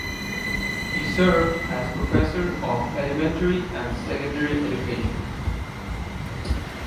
He served as Professor of Elementary and Secondary Education.